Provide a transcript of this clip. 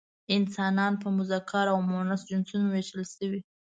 انسانان په مذکر او مؤنث جنسونو ویشل شوي.